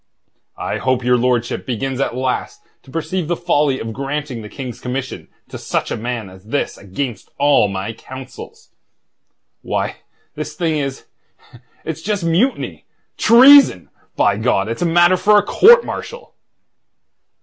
I hope your lordship begins at last to perceive the folly of granting the King's commission to such a man as this against all my counsels. Why, this thing is... it's just mutiny... treason! By God! It's matter for a court martial."